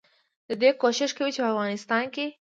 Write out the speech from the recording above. ددې کوشش کوي چې په افغانستان